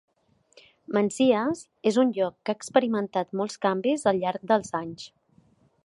Menzies és un lloc que ha experimentat molts canvis al llarg dels anys.